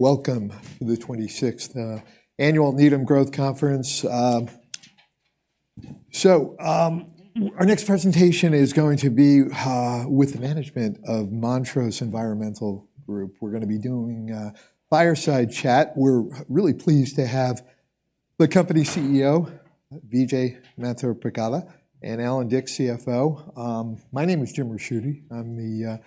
Welcome to the 26th Annual Needham Growth Conference. Our next presentation is going to be with the management of Montrose Environmental Group. We're gonna be doing a fireside chat. We're really pleased to have the company CEO, Vijay Manthripragada, and Allan Dicks, CFO. My name is Jim Ricchiuti. I'm the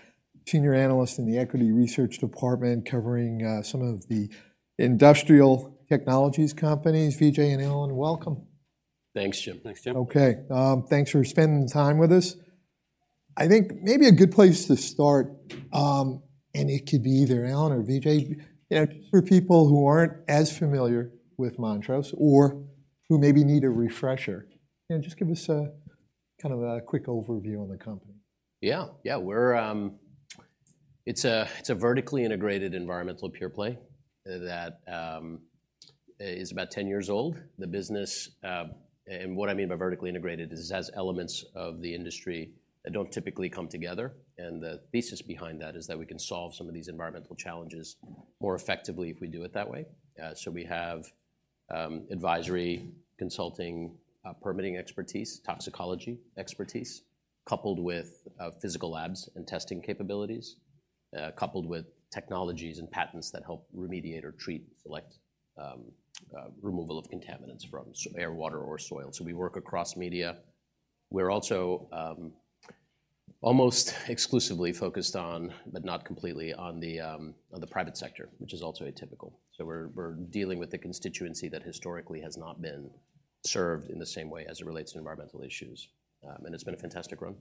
senior analyst in the equity research department, covering some of the industrial technologies companies. Vijay and Allan, welcome. Thanks, Jim. Thanks, Jim. Okay. Thanks for spending the time with us. I think maybe a good place to start, and it could be either Allan or Vijay, for people who aren't as familiar with Montrose or who maybe need a refresher, you know, just give us a kind of a quick overview on the company. Yeah. Yeah, we're... It's a, it's a vertically integrated environmental pure-play, that, is about 10 years old. The business, and what I mean by vertically integrated is it has elements of the industry that don't typically come together, and the thesis behind that is that we can solve some of these environmental challenges more effectively if we do it that way. So we have, advisory, consulting, permitting expertise, toxicology expertise, coupled with, physical labs and testing capabilities, coupled with technologies and patents that help remediate or treat select, removal of contaminants from air, water, or soil. So we work across media. We're also, almost exclusively focused on, but not completely, on the, on the private sector, which is also atypical. We're dealing with the constituency that historically has not been served in the same way as it relates to environmental issues. It's been a fantastic run.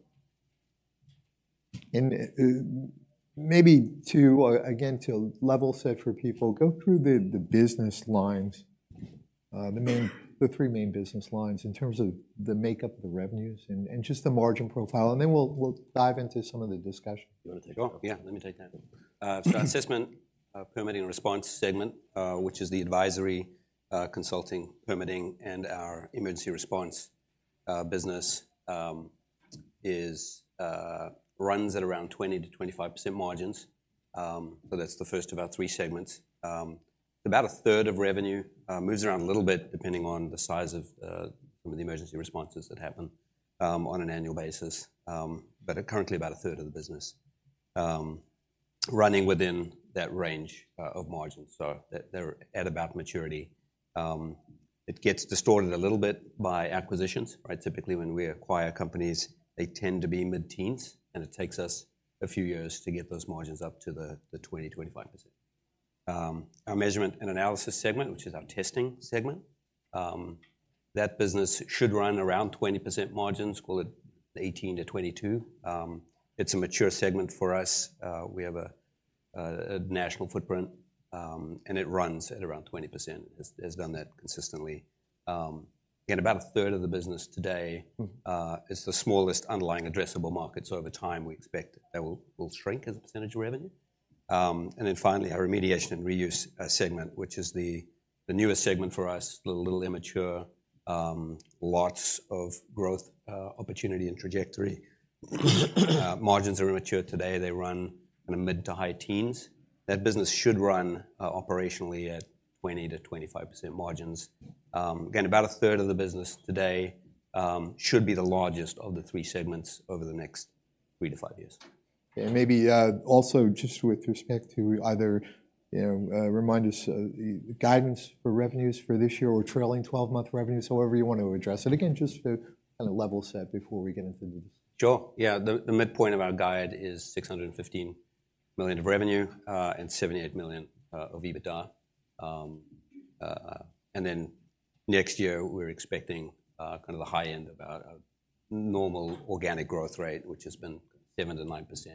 Maybe to again to level set for people, go through the business lines, the three main business lines in terms of the makeup of the revenues and just the margin profile, and then we'll dive into some of the discussion. You wanna take it? Sure, yeah, let me take that. So Assessment, Permitting and Response segment, which is the advisory, consulting, permitting, and our emergency response business, runs at around 20%-25% margins. So that's the first of our three segments. About a third of revenue moves around a little bit, depending on the size of some of the emergency responses that happen on an annual basis. But currently, about a third of the business, running within that range of margins, so they're at about maturity. It gets distorted a little bit by acquisitions, right? Typically, when we acquire companies, they tend to be mid-teens, and it takes us a few years to get those margins up to the 20%-25%. Our measurement and analysis segment, which is our testing segment, that business should run around 20% margins, call it 18%-22%. It's a mature segment for us. We have a national footprint, and it runs at around 20%. It has done that consistently. About a third of the business today is the smallest underlying addressable market. So over time, we expect that will shrink as a percentage of revenue. And then finally, our remediation and reuse segment, which is the newest segment for us, little immature, lots of growth opportunity and trajectory. Margins are immature today. They run in a mid- to high-teens. That business should run operationally at 20%-25% margins. Again, about a third of the business today should be the largest of the three segments over the next three to five years. Maybe, also just with respect to either, you know, remind us, the guidance for revenues for this year or trailing twelve-month revenues, however you want to address it. Again, just to kind of level set before we get into this. Sure, yeah. The midpoint of our guide is $615 million of revenue, and $78 million of EBITDA. And then next year, we're expecting kind of the high end of our normal organic growth rate, which has been 7%-9%.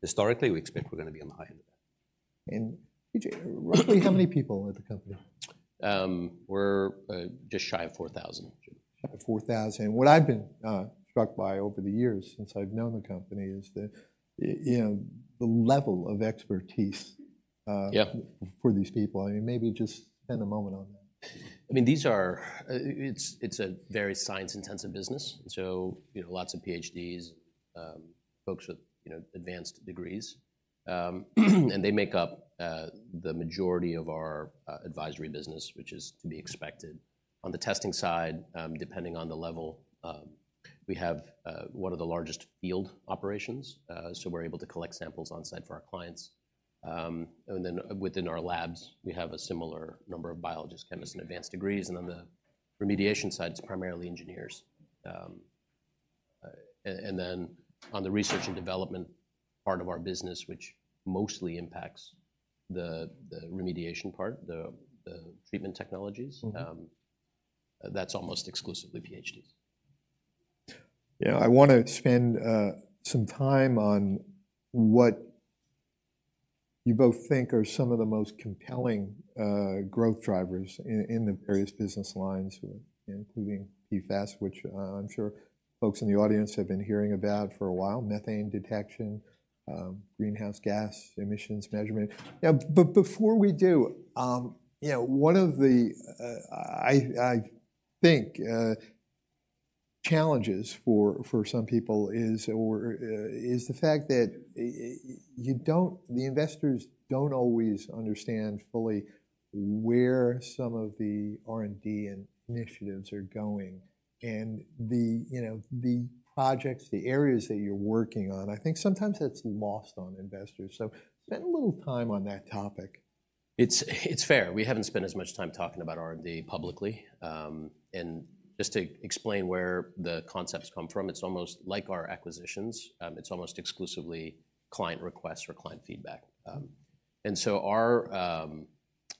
Historically, we expect we're gonna be on the high end of that. Vijay, roughly how many people are at the company? We're just shy of 4,000. 4,000. What I've been struck by over the years since I've known the company is the, you know, the level of expertise, Yeah... for these people. I mean, maybe just spend a moment on that. I mean, these are, it's a very science-intensive business, so you know, lots of PhDs, folks with you know, advanced degrees. They make up the majority of our advisory business, which is to be expected. On the testing side, depending on the level, we have one of the largest field operations, so we're able to collect samples on-site for our clients. Within our labs, we have a similar number of biologists, chemists, and advanced degrees, and on the remediation side, it's primarily engineers. On the research and development part of our business, which mostly impacts the remediation part, the treatment technologies- Mm-hmm. That's almost exclusively PhDs. Yeah, I want to spend some time on what you both think are some of the most compelling growth drivers in the various business lines, including PFAS, which I'm sure folks in the audience have been hearing about for a while, methane detection, greenhouse gas emissions measurement. But before we do, you know, one of the challenges for some people is the fact that the investors don't always understand fully where some of the R&D initiatives are going, and you know, the projects, the areas that you're working on, I think sometimes that's lost on investors. So spend a little time on that topic. It's, it's fair. We haven't spent as much time talking about R&D publicly. And just to explain where the concepts come from, it's almost like our acquisitions, it's almost exclusively client requests or client feedback. And so our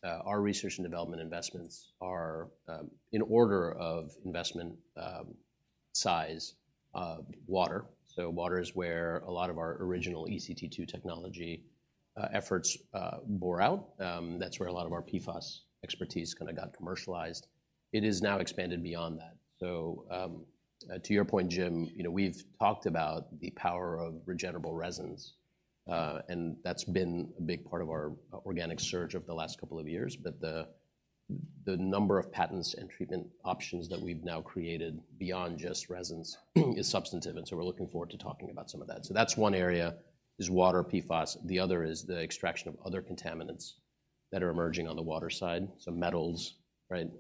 our research and development investments are, in order of investment, size, water. So water is where a lot of our original ECT2 technology, efforts, bore out. That's where a lot of our PFAS expertise kinda got commercialized. It is now expanded beyond that. So, to your point, Jim, you know, we've talked about the power of regenerable resins, and that's been a big part of our organic surge over the last couple of years. But the number of patents and treatment options that we've now created beyond just resins is substantive, and so we're looking forward to talking about some of that. So that's one area, is water PFAS. The other is the extraction of other contaminants that are emerging on the water side. So metals, right,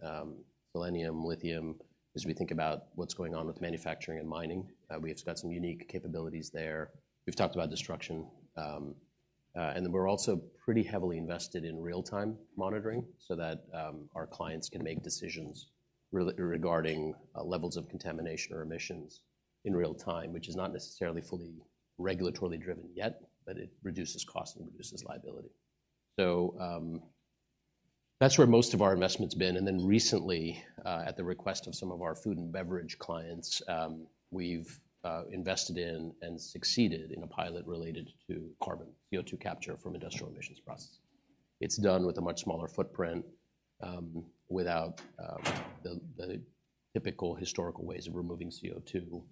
selenium, lithium, as we think about what's going on with manufacturing and mining, we've got some unique capabilities there. We've talked about destruction, and then we're also pretty heavily invested in real-time monitoring so that our clients can make decisions regarding levels of contamination or emissions in real time, which is not necessarily fully regulatorily driven yet, but it reduces cost and reduces liability. So, that's where most of our investment's been, and then recently, at the request of some of our food and beverage clients, we've invested in and succeeded in a pilot related to carbon CO2 capture from industrial emissions processes. It's done with a much smaller footprint, without the typical historical ways of removing CO2,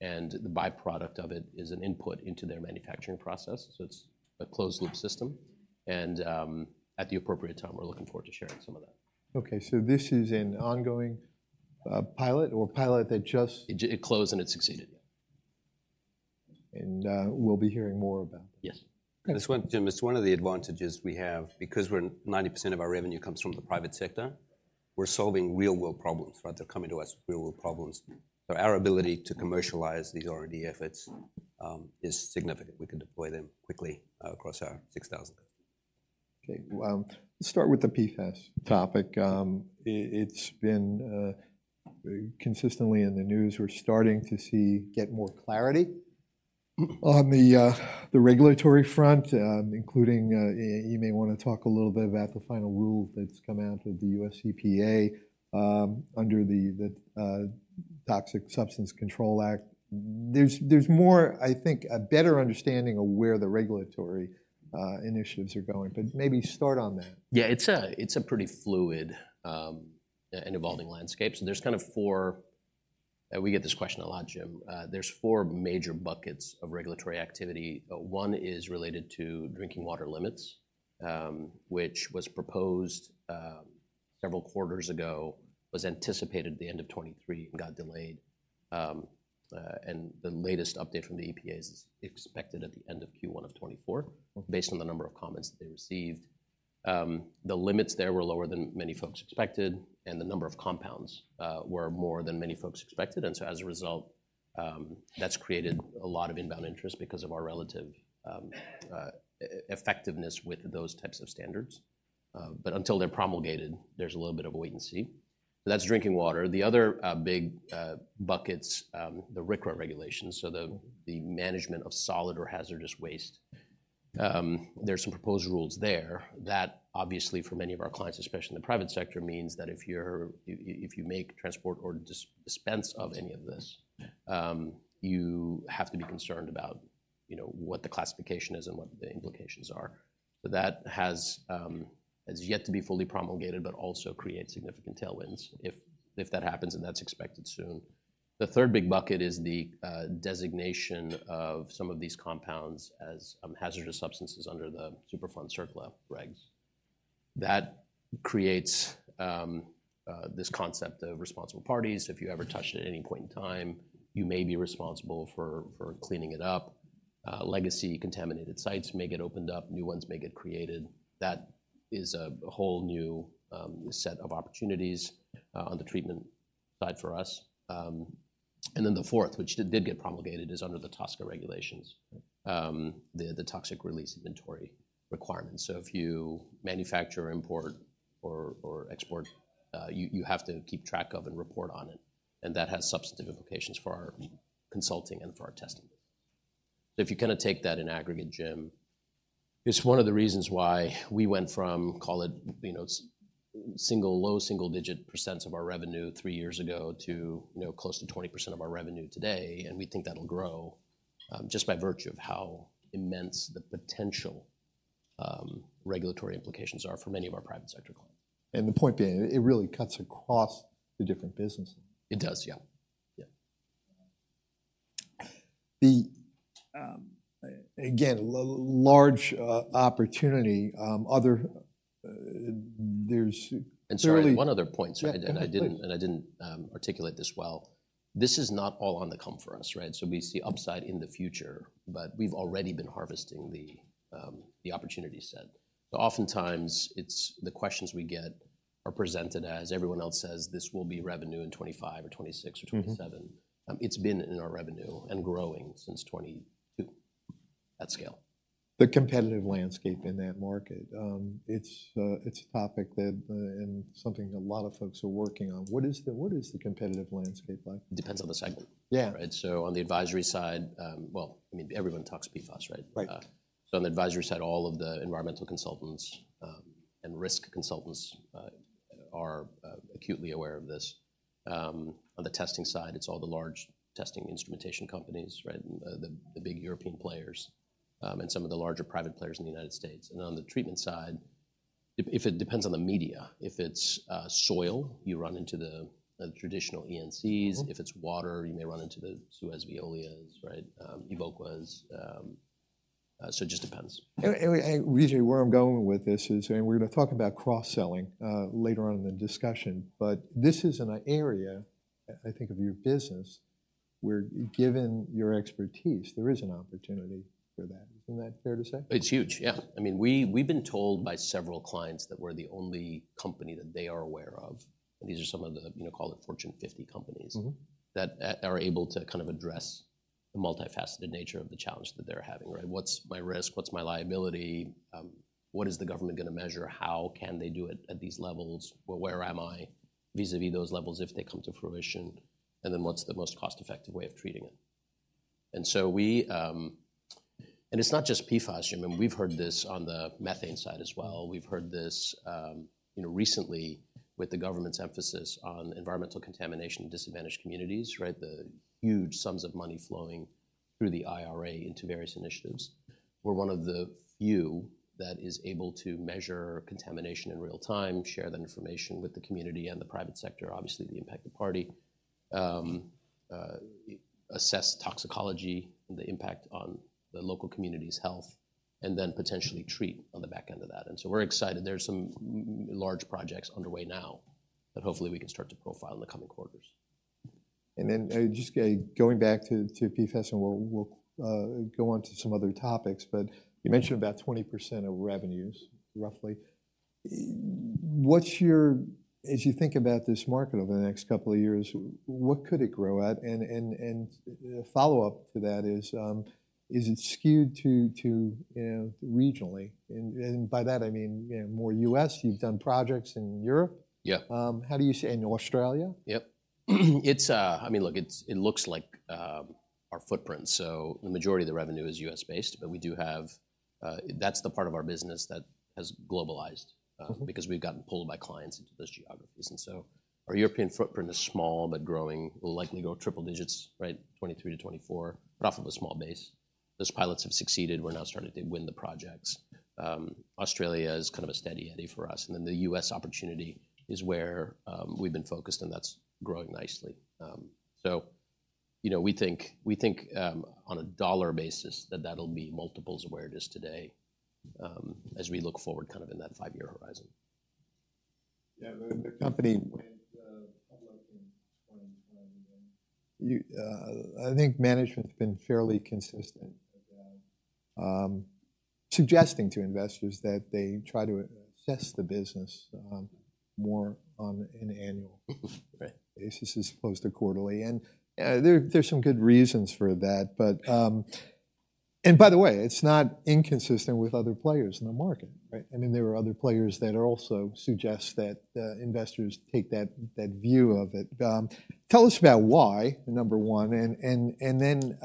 and the by-product of it is an input into their manufacturing process, so it's a closed-loop system, and at the appropriate time, we're looking forward to sharing some of that. Okay, so this is an ongoing pilot that just- It closed, and it succeeded. We'll be hearing more about it? Yes. It's one, Jim, it's one of the advantages we have. Because 90% of our revenue comes from the private sector, we're solving real-world problems, right? They're coming to us with real-world problems. So our ability to commercialize these R&D efforts is significant. We can deploy them quickly across our 6,000. Okay, well, let's start with the PFAS topic. It, it's been consistently in the news. We're starting to see get more clarity on the regulatory front, including you may wanna talk a little bit about the final rule that's come out of the EPA, under the Toxic Substances Control Act. There's more, I think, a better understanding of where the regulatory initiatives are going, but maybe start on that. Yeah, it's a, it's a pretty fluid and evolving landscape, so there's kind of four major buckets of regulatory activity. We get this question a lot, Jim. There's four major buckets of regulatory activity. One is related to drinking water limits, which was proposed several quarters ago, was anticipated at the end of 2023, and got delayed. And the latest update from the EPA is expected at the end of Q1 of 2024, based on the number of comments that they received. The limits there were lower than many folks expected, and the number of compounds were more than many folks expected, and so as a result, that's created a lot of inbound interest because of our relative effectiveness with those types of standards. But until they're promulgated, there's a little bit of wait and see. That's drinking water. The other big buckets, the RCRA regulations, so the management of solid or hazardous waste. There are some proposed rules there that obviously for many of our clients, especially in the private sector, means that if you're if you make transport or dispense of any of this, you have to be concerned about, you know, what the classification is and what the implications are. But that has yet to be fully promulgated, but also creates significant tailwinds if that happens, and that's expected soon. The third big bucket is the designation of some of these compounds as hazardous substances under the Superfund CERCLA regs. That creates this concept of responsible parties. If you ever touched it at any point in time, you may be responsible for cleaning it up. Legacy contaminated sites may get opened up, new ones may get created. That is a whole new set of opportunities on the treatment side for us. And then the fourth, which did get promulgated, is under the TSCA regulations, the Toxic Release Inventory requirements. So if you manufacture, import, or export, you have to keep track of and report on it, and that has substantive implications for our consulting and for our testing. If you kinda take that in aggregate, Jim, it's one of the reasons why we went from, call it, you know, single, low double-digit percent of our revenue three years ago to, you know, close to 20% of our revenue today, and we think that'll grow, just by virtue of how immense the potential regulatory implications are for many of our private sector clients. The point being, it really cuts across the different businesses. It does, yeah. Yeah.... the, again, large opportunity, other, there's clearly- And sorry, one other point, and I didn't articulate this well. This is not all on the come for us, right? So we see upside in the future, but we've already been harvesting the opportunity set. Oftentimes, it's the questions we get are presented as everyone else says this will be revenue in 2025 or 2026 or 2027. Mm-hmm. It's been in our revenue and growing since 2022 at scale. The competitive landscape in that market, it's a topic that, and something a lot of folks are working on. What is the competitive landscape like? Depends on the segment. Yeah. Right. So on the advisory side, well, I mean, everyone talks PFAS, right? Right. So on the advisory side, all of the environmental consultants and risk consultants are acutely aware of this. On the testing side, it's all the large testing instrumentation companies, right? The big European players and some of the larger private players in the United States. And on the treatment side, if it depends on the media, if it's soil, you run into the traditional ENCs. Mm-hmm. If it's water, you may run into the Suez, Veolias, right? Evoquas, so it just depends. Usually where I'm going with this is, and we're gonna talk about cross-selling later on in the discussion, but this is an area, I think, of your business where, given your expertise, there is an opportunity for that. Isn't that fair to say? It's huge, yeah. I mean, we've been told by several clients that we're the only company that they are aware of, and these are some of the, you know, call it Fortune 50 companies- Mm-hmm... that are able to kind of address the multifaceted nature of the challenge that they're having, right? What's my risk? What's my liability? What is the government gonna measure? How can they do it at these levels? Well, where am I vis-à-vis those levels, if they come to fruition? And then, what's the most cost-effective way of treating it? And so we, And it's not just PFAS. I mean, we've heard this on the methane side as well. We've heard this, you know, recently with the government's emphasis on environmental contamination in disadvantaged communities, right? The huge sums of money flowing through the IRA into various initiatives. We're one of the few that is able to measure contamination in real time, share that information with the community and the private sector, obviously, the impacted party. Assess toxicology and the impact on the local community's health, and then potentially treat on the back end of that. And so we're excited. There's some large projects underway now that hopefully we can start to profile in the coming quarters. And then, just going back to PFAS, and we'll go on to some other topics, but you mentioned about 20% of revenues, roughly. What's your— As you think about this market over the next couple of years, what could it grow at? And the follow-up to that is, is it skewed to, you know, regionally? And by that I mean, you know, more U.S. You've done projects in Europe. Yeah. How do you see... and Australia? Yep. It's, I mean, look, it's, it looks like, our footprint, so the majority of the revenue is U.S.-based, but we do have, that's the part of our business that has globalized- Mm-hmm... because we've gotten pulled by clients into those geographies. Our European footprint is small, but growing. We'll likely go triple digits, right, 2023-2024, but off of a small base. Those pilots have succeeded. We're now starting to win the projects. Australia is kind of a steady eddy for us, and then the U.S. opportunity is where, we've been focused, and that's growing nicely. So you know, we think on a dollar basis that that'll be multiples of where it is today, as we look forward kind of in that five-year horizon. Yeah, but the company public in 2021. You, I think management's been fairly consistent about suggesting to investors that they try to assess the business more on an annual- Mm-hmm, right... basis as opposed to quarterly. And there's some good reasons for that. But, and by the way, it's not inconsistent with other players in the market, right? I mean, there are other players that are also suggest that investors take that view of it. Tell us about why, number one, and then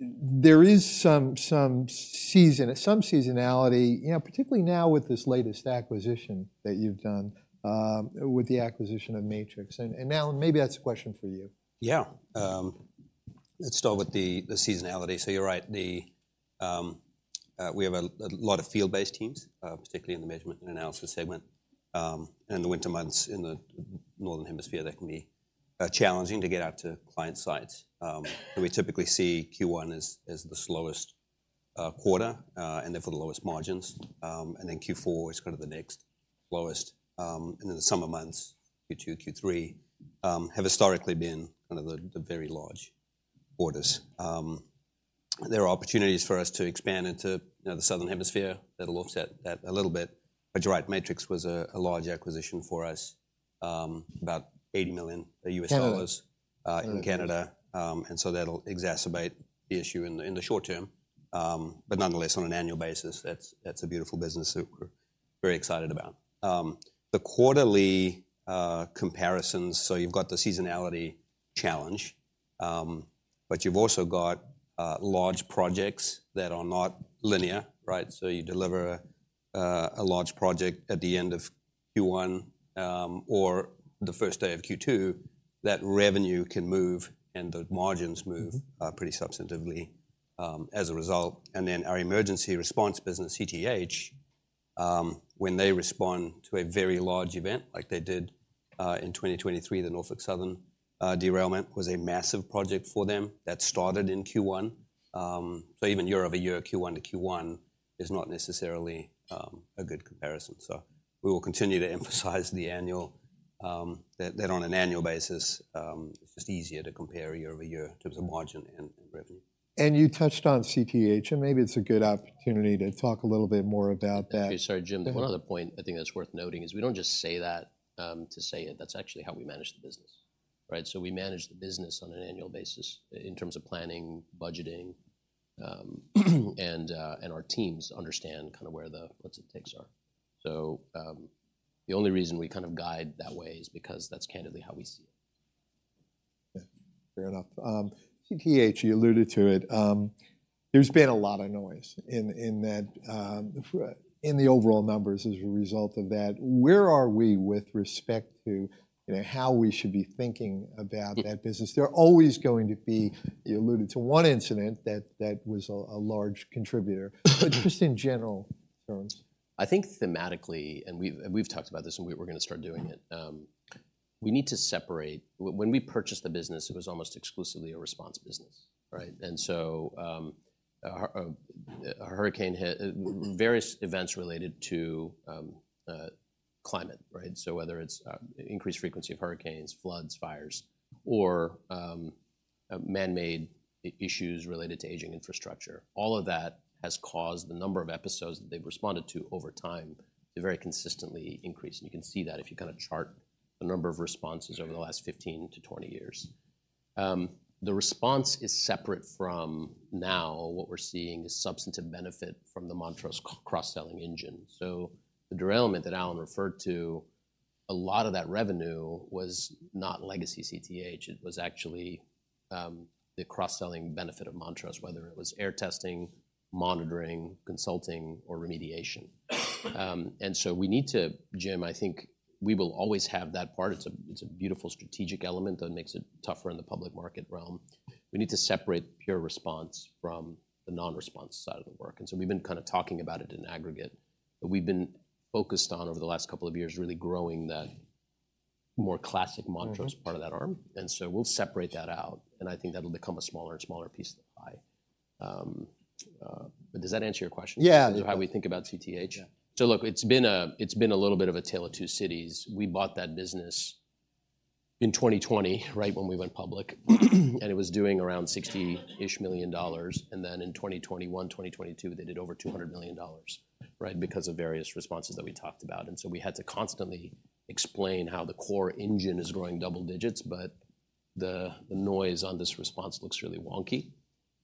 there is some seasonality, you know, particularly now with this latest acquisition that you've done, with the acquisition of Matrix. And Allan, maybe that's a question for you. Yeah. Let's start with the seasonality. So you're right, we have a lot of field-based teams, particularly in the measurement and analysis segment. In the winter months in the Northern Hemisphere, that can be challenging to get out to client sites. And we typically see Q1 as the slowest quarter, and therefore the lowest margins. And then Q4 is kind of the next lowest. And in the summer months, Q2, Q3, have historically been kind of the very large quarters. There are opportunities for us to expand into, you know, the Southern Hemisphere. That'll offset that a little bit, but you're right, Matrix was a large acquisition for us, about $80 million. Canada... in Canada. And so that'll exacerbate the issue in the short term. But nonetheless, on an annual basis, that's a beautiful business that we're very excited about. The quarterly comparisons, so you've got the seasonality challenge, but you've also got large projects that are not linear, right? So you deliver a large project at the end of Q1, or the first day of Q2, that revenue can move, and the margins move- Mm-hmm... pretty substantively, as a result. And then, our emergency response business, CTEH, when they respond to a very large event, like they did in 2023, the Norfolk Southern derailment was a massive project for them. That started in Q1. So even year-over-year, Q1 to Q1 is not necessarily a good comparison. So we will continue to emphasize the annual, that on an annual basis, it's just easier to compare year over year in terms of margin and revenue. You touched on CTEH, and maybe it's a good opportunity to talk a little bit more about that. Sorry, Jim. Mm-hmm. One other point I think that's worth noting is we don't just say that to say it. That's actually how we manage the business, right? So we manage the business on an annual basis in terms of planning, budgeting, and our teams understand kind of where the what it takes are. So the only reason we kind of guide that way is because that's candidly how we see it. Yeah, fair enough. CTEH, you alluded to it, there's been a lot of noise in the overall numbers as a result of that. Where are we with respect to, you know, how we should be thinking about that business? There are always going to be you alluded to one incident that was a large contributor, but just in general terms. I think thematically, and we've, and we've talked about this, and we, we're gonna start doing it. We need to separate—when we purchased the business, it was almost exclusively a response business, right? And so, a hurricane hit, various events related to climate, right? So whether it's increased frequency of hurricanes, floods, fires, or man-made issues related to aging infrastructure, all of that has caused the number of episodes that they've responded to over time to very consistently increase. And you can see that if you kind of chart the number of responses over the last 15-20 years. The response is separate from now, what we're seeing is substantive benefit from the Montrose cross-selling engine. So the derailment that Allan referred to, a lot of that revenue was not legacy CTEH, it was actually the cross-selling benefit of Montrose, whether it was air testing, monitoring, consulting, or remediation. And so we need to... Jim, I think we will always have that part. It's a beautiful strategic element that makes it tougher in the public market realm. We need to separate pure response from the non-response side of the work, and so we've been kind of talking about it in aggregate. But we've been focused on, over the last couple of years, really growing that more classic Montrose- Mm-hmm... part of that arm. And so we'll separate that out, and I think that'll become a smaller and smaller piece of the pie. But does that answer your question- Yeah... in terms of how we think about CTEH? Yeah. So look, it's been a, it's been a little bit of a tale of two cities. We bought that business in 2020, right when we went public, and it was doing around $60-ish million. And then in 2021, 2022, they did over $200 million, right? Because of various responses that we talked about. And so we had to constantly explain how the core engine is growing double digits, but the, the noise on this response looks really wonky.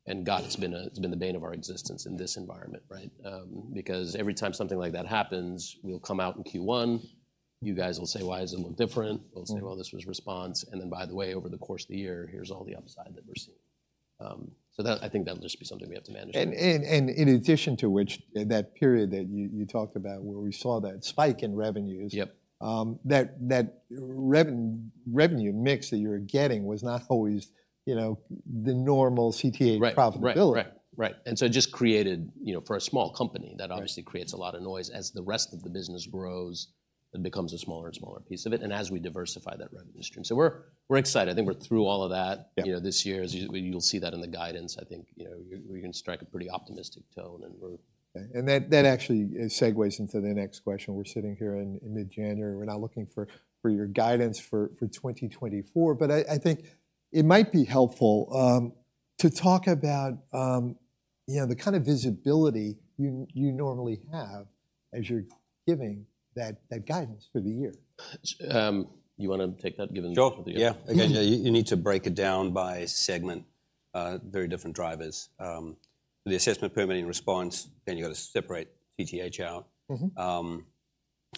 And God, it's been a, it's been the bane of our existence in this environment, right? Because every time something like that happens, we'll come out in Q1, you guys will say, "Why does it look different? Mm. We'll say, "Well, this was response, and then, by the way, over the course of the year, here's all the upside that we're seeing." So that, I think that'll just be something we have to manage. In addition to which, that period that you talked about, where we saw that spike in revenues- Yep... that revenue mix that you were getting was not always, you know, the normal CTEH profitability. Right, right, right. Right. And so it just created, you know, for a small company- Right... that obviously creates a lot of noise. As the rest of the business grows, it becomes a smaller and smaller piece of it, and as we diversify that revenue stream. So we're, we're excited. I think we're through all of that. Yeah. You know, this year, as you'll see that in the guidance, I think, you know, we're, we're gonna strike a pretty optimistic tone, and we're- And that actually segues into the next question. We're sitting here in mid-January, we're not looking for your guidance for 2024. But I think it might be helpful to talk about, you know, the kind of visibility you normally have as you're giving that guidance for the year. You wanna take that, given- Sure. Yeah. Mm-hmm. Again, you, you need to break it down by segment, very different drivers. The assessment, permitting, response, then you've got to separate CTEH out. Mm-hmm.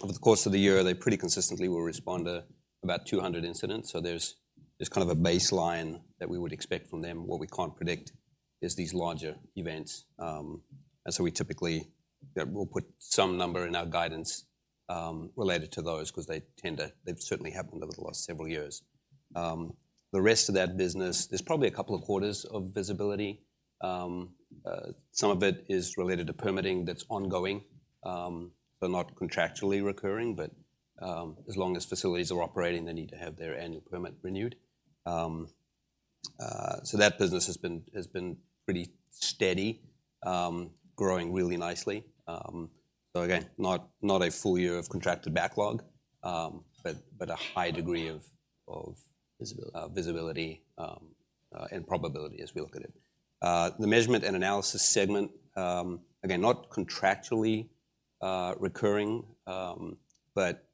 Over the course of the year, they pretty consistently will respond to about 200 incidents, so there's kind of a baseline that we would expect from them. What we can't predict is these larger events, and so we typically we'll put some number in our guidance related to those, 'cause they tend to... They've certainly happened over the last several years. The rest of that business, there's probably a couple of quarters of visibility. Some of it is related to permitting that's ongoing, but not contractually recurring, but as long as facilities are operating, they need to have their annual permit renewed. So that business has been pretty steady, growing really nicely. So again, not, not a full year of contracted backlog, but, but a high degree of, of visibility, and probability as we look at it. The measurement and analysis segment, again, not contractually recurring, but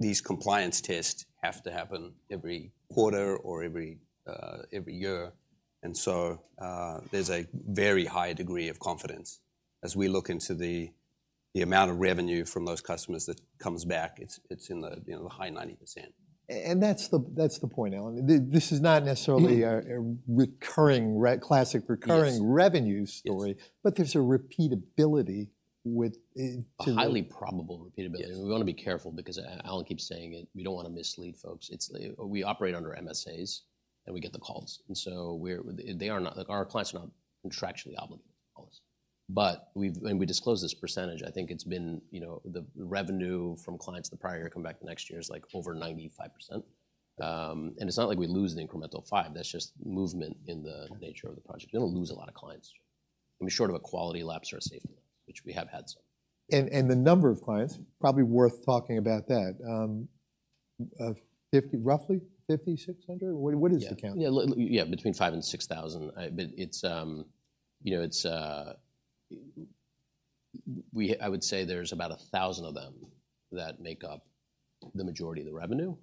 these compliance tests have to happen every quarter or every year. And so, there's a very high degree of confidence as we look into the amount of revenue from those customers that comes back. It's, it's in the, you know, the high 90%. And that's the, that's the point, Allan. This is not necessarily a- Yeah... a recurring classic recurring Yes... revenue story- Yes... but there's a repeatability with it. A highly probable repeatability. Yeah, and we wanna be careful because Allan keeps saying it, we don't want to mislead folks. It's we operate under MSAs and we get the calls. And so we're, they are not, like, our clients are not contractually obligated to call us. But we've and we disclose this percentage, I think it's been, you know, the revenue from clients the prior year come back the next year is, like, over 95%. And it's not like we lose the incremental five, that's just movement in the nature of the project. We don't lose a lot of clients. I mean, short of a quality lapse or a safety lapse, which we have had some. The number of clients, probably worth talking about that. Roughly 5,600? What is the count? Yeah. Yeah, between 5,000 and 6,000. But it's, you know, it's... I would say there's about 1,000 of them that make up the majority of the revenue,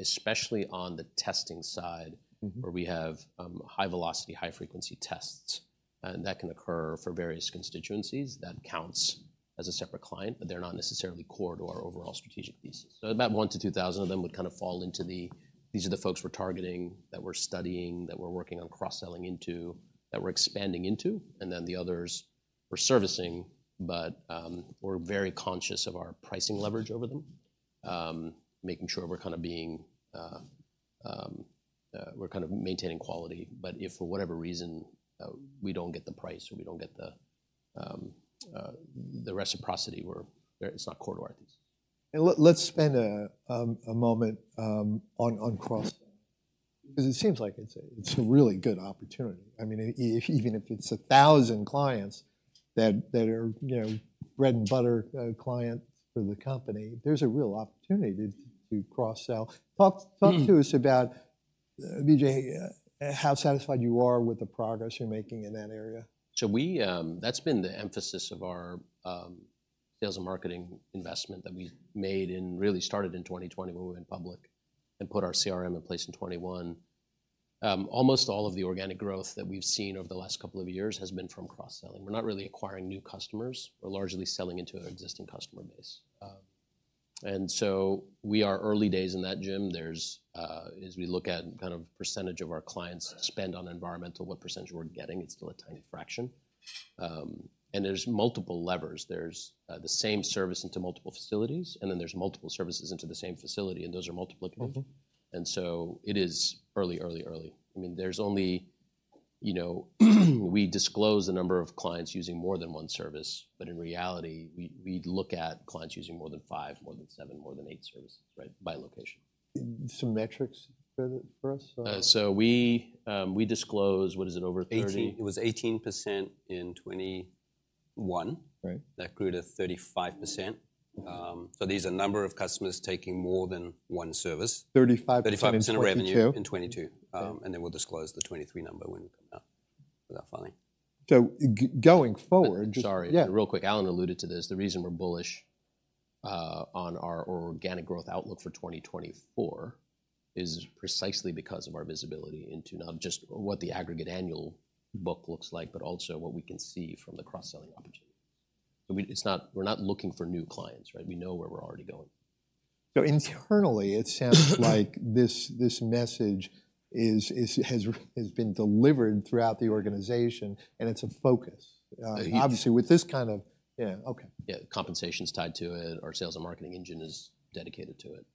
especially on the testing side- Mm-hmm. where we have high velocity, high frequency tests. And that can occur for various constituencies. That counts as a separate client, but they're not necessarily core to our overall strategic thesis. So about one-2,000 of them would kind of fall into the, "These are the folks we're targeting, that we're studying, that we're working on cross-selling into, that we're expanding into." And then the others, we're servicing, but we're very conscious of our pricing leverage over them. Making sure we're kind of being, we're kind of maintaining quality. But if for whatever reason we don't get the price, or we don't get the the reciprocity, we're, it's not core to our thesis. Let's spend a moment on cross-selling because it seems like it's a really good opportunity. I mean, even if it's 1,000 clients that are, you know, bread-and-butter clients for the company, there's a real opportunity to cross-sell. Hmm. Talk to us about, Vijay, how satisfied you are with the progress you're making in that area. So we... That's been the emphasis of our sales and marketing investment that we made and really started in 2020, when we went public, and put our CRM in place in 2021. Almost all of the organic growth that we've seen over the last couple of years has been from cross-selling. We're not really acquiring new customers; we're largely selling into an existing customer base. And so we are early days in that, Jim. There's, as we look at kind of percentage of our clients spend on environmental, what percentage we're getting, it's still a tiny fraction. There's multiple levers. There's, the same service into multiple facilities, and then there's multiple services into the same facility, and those are multiplicative. Mm-hmm. It is early, early, early. I mean, there's only... You know, we disclose the number of clients using more than one service, but in reality, we look at clients using more than five, more than seven, more than eight services, right? By location. Some metrics for us? So we disclose, what is it, over 30? 18. It was 18% in 2021. Right. That grew to 35%. So these are number of customers taking more than one service. 35 in 2022? 35% revenue in 2022. And then we'll disclose the 2023 number when we come out with our filing. So going forward- Sorry. Yeah. Real quick, Allan alluded to this. The reason we're bullish on our organic growth outlook for 2024 is precisely because of our visibility into not just what the aggregate annual book looks like, but also what we can see from the cross-selling opportunity. So we— It's not— We're not looking for new clients, right? We know where we're already going. So internally, it sounds like this message has been delivered throughout the organization, and it's a focus. It- Obviously, with this kind of... Yeah. Okay. Yeah, compensation's tied to it. Our sales and marketing engine is dedicated to it.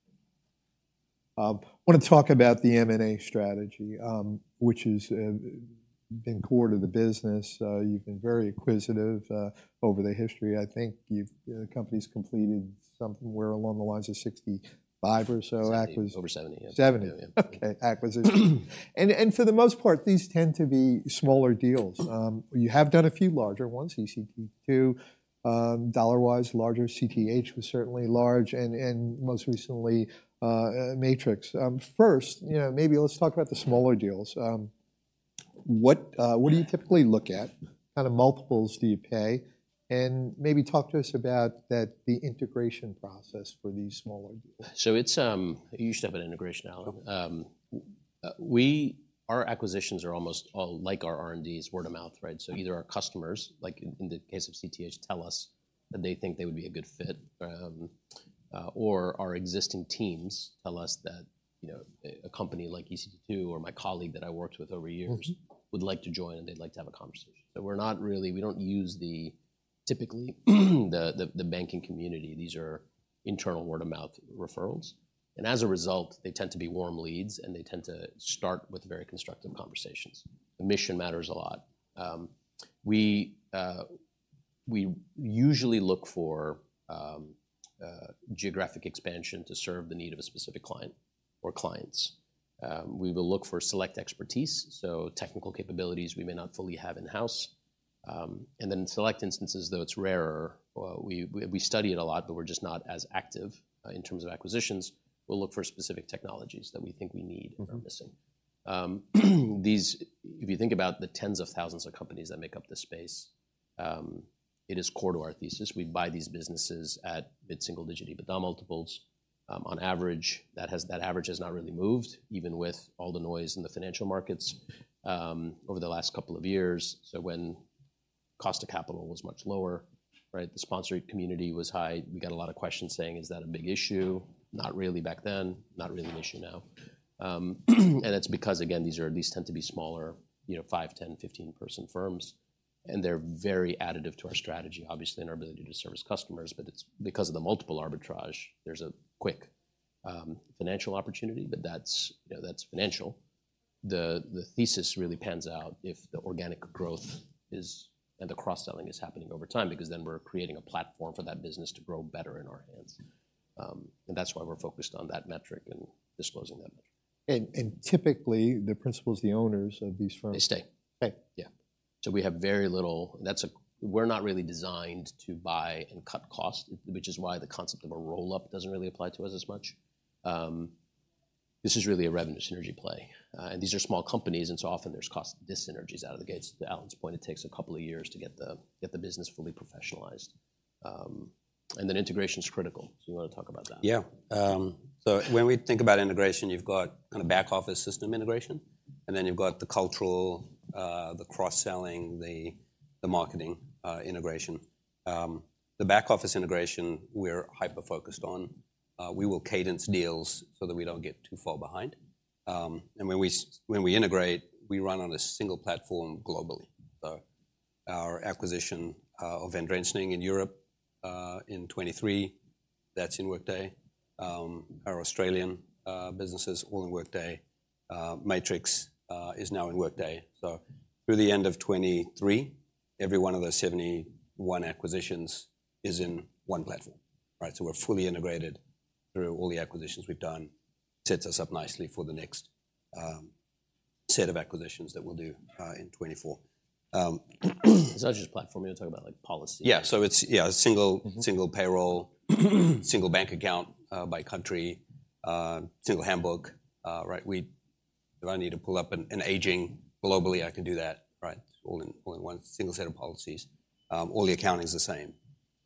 I want to talk about the M&A strategy, which has been core to the business. You've been very acquisitive over the history. I think the company's completed something where along the lines of 65 or so acqui- Over seventy. Seventy. Yeah. Okay, acquisitions. For the most part, these tend to be smaller deals. You have done a few larger ones, ECT2, dollar-wise, larger CTEH was certainly large and most recently, Matrix. First, you know, maybe let's talk about the smaller deals. What do you typically look at? What kind of multiples do you pay? And maybe talk to us about that, the integration process for these smaller deals. So it's. You should have an integration, Allan. Okay. Our acquisitions are almost all like our R&D's, word of mouth, right? Mm-hmm. So either our customers, like in the case of CTEH, tell us that they think they would be a good fit, or our existing teams tell us that, you know, a company like ECT2 or my colleague that I worked with over years- Mm-hmm. -would like to join and they'd like to have a conversation. So we're not really. We don't use, typically, the banking community. These are internal word-of-mouth referrals, and as a result, they tend to be warm leads, and they tend to start with very constructive conversations. The mission matters a lot. We usually look for geographic expansion to serve the need of a specific client or clients. We will look for select expertise, so technical capabilities we may not fully have in-house. And then in select instances, though it's rarer, we study it a lot, but we're just not as active in terms of acquisitions. We'll look for specific technologies that we think we need- Mm-hmm... and are missing. These-- if you think about the tens of thousands of companies that make up this space, it is core to our thesis. We buy these businesses at mid-single-digit EBITDA multiples. On average, that average has not really moved, even with all the noise in the financial markets, over the last couple of years. So when cost of capital was much lower, right, the sponsored community was high. We got a lot of questions saying: "Is that a big issue?" Not really back then, not really an issue now. And that's because, again, these tend to be smaller, you know, five, 10-, 15-person firms... and they're very additive to our strategy, obviously, in our ability to service customers, but it's because of the multiple arbitrage, there's a quick, financial opportunity, but that's, you know, that's financial. The thesis really pans out if the organic growth is and the cross-selling is happening over time, because then we're creating a platform for that business to grow better in our hands. And that's why we're focused on that metric and disclosing that metric. Typically, the principals, the owners of these firms- They stay. Stay. Yeah. So we have very little. We're not really designed to buy and cut costs, which is why the concept of a roll-up doesn't really apply to us as much. This is really a revenue synergy play, and these are small companies, and so often there's cost dyssynergies out of the gates. To Allan's point, it takes a couple of years to get the business fully professionalized. And then integration is critical. Do you want to talk about that? Yeah. So when we think about integration, you've got kind of back-office system integration, and then you've got the cultural, the cross-selling, the marketing, integration. The back-office integration, we're hyper-focused on. We will cadence deals so that we don't get too far behind. And when we integrate, we run on a single platform globally. So our acquisition of Vandrensning in Europe in 2023, that's in Workday. Our Australian business is all in Workday. Matrix is now in Workday. So through the end of 2023, every one of those 71 acquisitions is in one platform, right? So we're fully integrated through all the acquisitions we've done. Sets us up nicely for the next set of acquisitions that we'll do in 2024. That's just platform, you're talking about, like, policy. Yeah. So it's, yeah, single- Mm-hmm. Single payroll, single bank account, by country, single handbook. Right, we. If I need to pull up an aging globally, I can do that, right? It's all in one single set of policies. All the accounting is the same.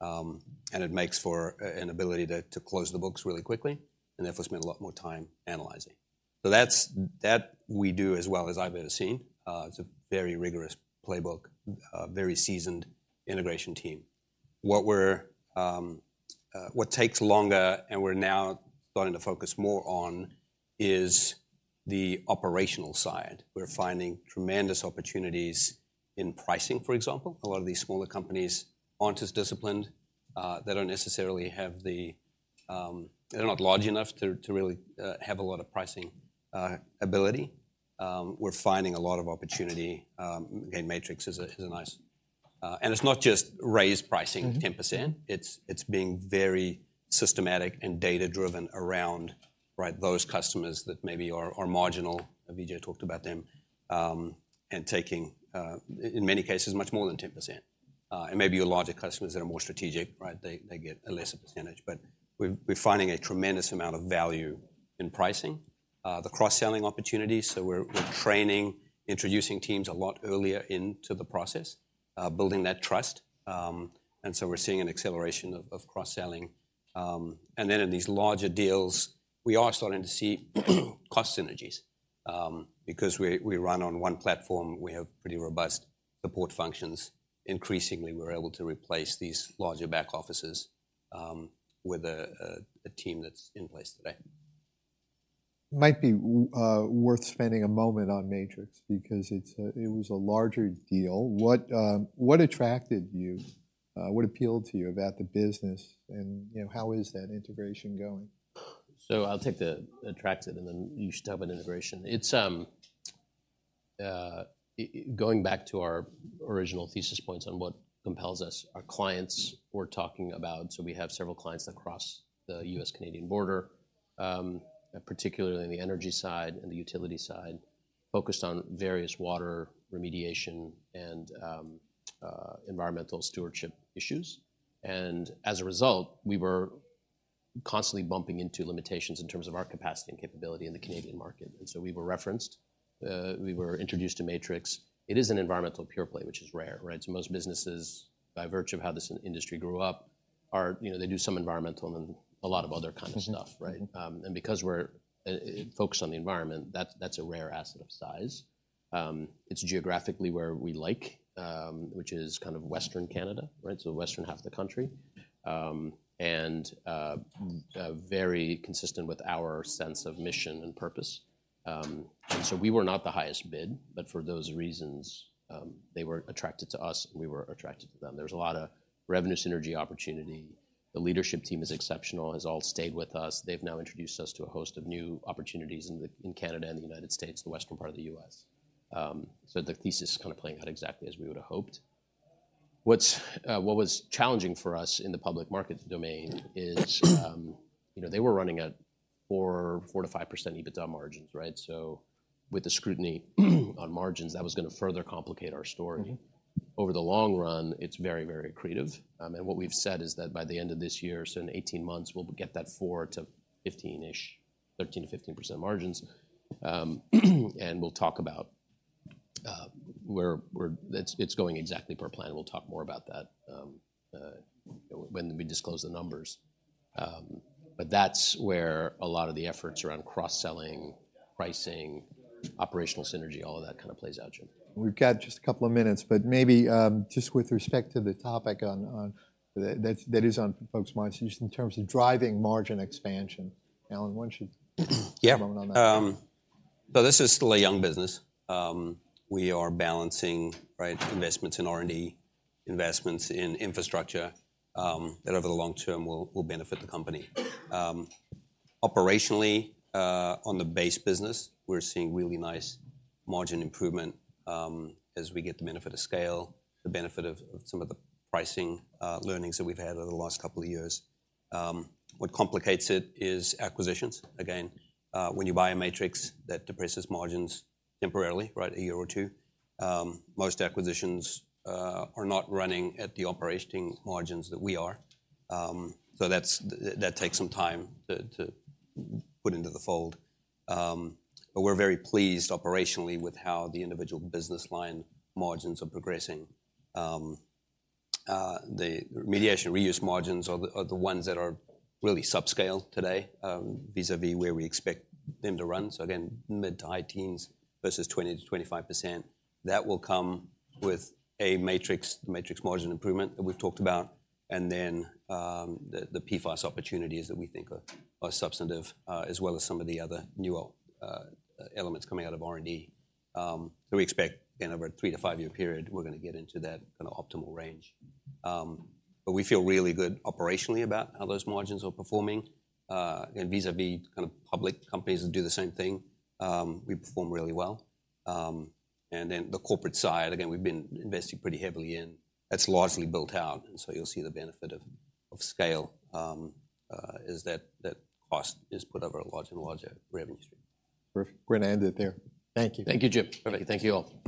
And it makes for an ability to close the books really quickly and therefore spend a lot more time analyzing. So that's that we do as well as I've ever seen. It’s a very rigorous playbook, very seasoned integration team. What takes longer, and we're now starting to focus more on, is the operational side. We're finding tremendous opportunities in pricing, for example. A lot of these smaller companies aren't as disciplined, they don't necessarily have the... They're not large enough to really have a lot of pricing ability. We're finding a lot of opportunity. Again, Matrix is a nice. It's not just raise pricing 10%. Mm-hmm. It's being very systematic and data-driven around, right, those customers that maybe are marginal, Vijay talked about them, and taking in many cases much more than 10%. And maybe your larger customers that are more strategic, right, they get a lesser percentage. But we're finding a tremendous amount of value in pricing the cross-selling opportunities, so we're training, introducing teams a lot earlier into the process, building that trust. And so we're seeing an acceleration of cross-selling. And then in these larger deals, we are starting to see cost synergies. Because we run on one platform, we have pretty robust support functions. Increasingly, we're able to replace these larger back offices with a team that's in place today. Might be worth spending a moment on Matrix, because it's a larger deal. What, what attracted you? What appealed to you about the business? And, you know, how is that integration going? So I'll take the acquisition, and then you should have an integration. It's going back to our original thesis points on what compels us. Our clients were talking about... So we have several clients that cross the U.S.-Canadian border, particularly in the energy side and the utility side, focused on various water remediation and environmental stewardship issues. And as a result, we were constantly bumping into limitations in terms of our capacity and capability in the Canadian market, and so we were referred. We were introduced to Matrix. It is an environmental pure-play, which is rare, right? So most businesses, by virtue of how this industry grew up, are, you know, they do some environmental and a lot of other kind of stuff, right? Mm-hmm. Because we're focused on the environment, that's a rare asset of size. It's geographically where we like, which is kind of Western Canada, right? The western half of the country. And very consistent with our sense of mission and purpose. And so we were not the highest bid, but for those reasons, they were attracted to us, and we were attracted to them. There's a lot of revenue synergy opportunity. The leadership team is exceptional, has all stayed with us. They've now introduced us to a host of new opportunities in Canada and the United States, the western part of the U.S. So the thesis is kind of playing out exactly as we would have hoped. What was challenging for us in the public market domain is, you know, they were running at 4%-5% EBITDA margins, right? So with the scrutiny on margins, that was going to further complicate our story. Mm-hmm. Over the long run, it's very, very accretive. And what we've said is that by the end of this year, so in 18 months, we'll get that four to 15-ish, 13%-15% margins. And we'll talk about where we're—it's going exactly per plan, and we'll talk more about that when we disclose the numbers. But that's where a lot of the efforts around cross-selling, pricing, operational synergy, all of that kind of plays out, Jim. We've got just a couple of minutes, but maybe, just with respect to the topic that is on folks' minds, just in terms of driving margin expansion. Allan, why don't you- Yeah... comment on that? So this is still a young business. We are bAllancing, right, investments in R&D, investments in infrastructure, that over the long term will benefit the company. Operationally, on the base business, we're seeing really nice margin improvement, as we get the benefit of scale, the benefit of some of the pricing learnings that we've had over the last couple of years. What complicates it is acquisitions. Again, when you buy a Matrix, that depresses margins temporarily, right, a year or two. Most acquisitions are not running at the operating margins that we are. So that takes some time to put into the fold. But we're very pleased operationally with how the individual business line margins are progressing. The remediation reuse margins are the ones that are really subscale today, vis-a-vis where we expect them to run. So again, mid- to high-teens versus 20%-25%. That will come with a Matrix margin improvement that we've talked about, and then, the PFAS opportunities that we think are substantive, as well as some of the other new elements coming out of R&D. So we expect, again, over a three to five-year period, we're going to get into that kind of optimal range. But we feel really good operationally about how those margins are performing. And vis-a-vis kind of public companies that do the same thing, we perform really well. And then the corporate side, again, we've been investing pretty heavily in. That's largely built out, and so you'll see the benefit of scale as that cost is put over a larger and larger revenue stream. Perfect. We're going to end it there. Thank you. Thank you, Jim. Perfect. Thank you, all.